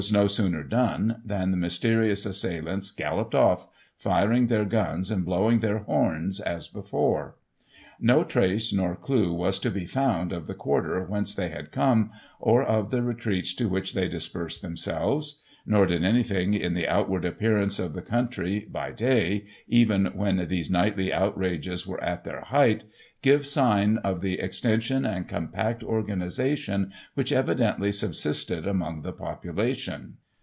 20I no sooner done than the mysterious assailants galloped off, firing their guns, and blowing their horns, as before. No trace nor clue was to be found of the quarter whence they had come, or of the retreats to which they dispersed themselves ; nor did anything in the outward appearance of the country, by day, even when these nightly outrages were at their height, give sign of the extension and compact organization which evidently subsisted among the population.